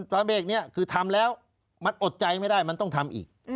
ประเภทนี้คือทำแล้วมันอดใจไม่ได้มันต้องทำอีก